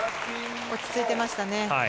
落ち着いていましたね。